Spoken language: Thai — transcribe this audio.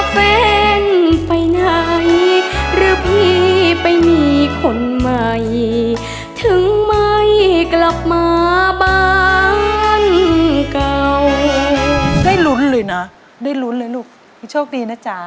ได้ลุ้นเลยนะได้ลุ้นเลยลูกโชคดีนะจ๊ะ